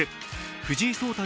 藤井聡太